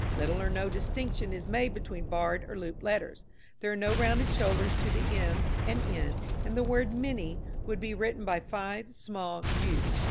Little or no distinction is made between barred or looped letters. There are no rounded shoulders to the m and n and the word minnie would be written by five small u's.